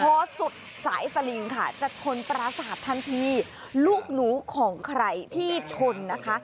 พอสุดสายสลิงค่ะจะชนปราสาททันทีลูกหนูของใครที่ชนนะคะ